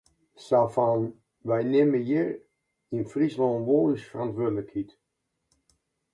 Sa fan: wy nimme hjir yn Fryslân wol ús ferantwurdlikheid.